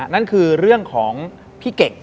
นั่นคือเรื่องของพี่เก่ง